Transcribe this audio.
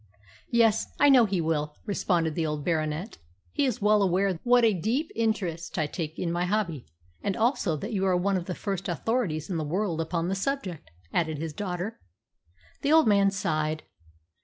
"Yes, I know he will," responded the old Baronet. "He is well aware what a deep interest I take in my hobby." "And also that you are one of the first authorities in the world upon the subject," added his daughter. The old man sighed.